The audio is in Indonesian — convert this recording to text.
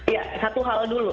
ya satu hal dulu